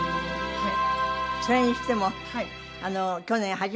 はい。